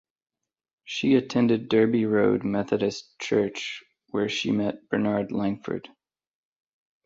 She attended Derby Road Methodist Church where she met Bernard Langford.